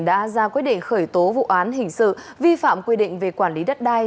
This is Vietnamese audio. đã ra quyết định khởi tố vụ án hình sự vi phạm quy định về quản lý đất đai